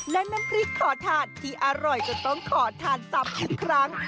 และน้ำพริกขอถาดที่อร่อยจนต้องขอทานตับอีกครั้ง